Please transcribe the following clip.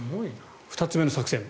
２つ目の作戦